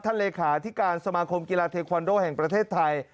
เลขาที่การสมาคมกีฬาเทควันโดแห่งประเทศไทย